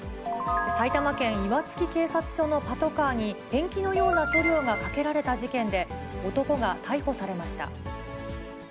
埼玉県岩槻警察署のパトカーに、ペンキのような塗料がかけられた事件で、男が逮捕されました。